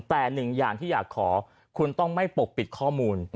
แต่หนึ่งอย่างที่อยากขอคุณต้องไม่ปกปิดข้อมูล